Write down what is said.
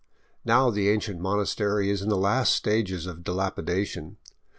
Now the ancient monastery is in the last stages of dilapida tion.